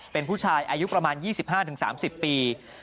เป็นผู้ชายอายุประมาณ๒๕๓๐ปี